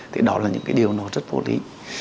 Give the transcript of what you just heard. thì đó là những điều rất vô lý